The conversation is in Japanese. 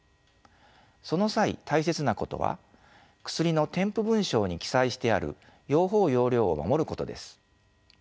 その際大切なことは薬の添付文章に記載してある用法用量を守ることです。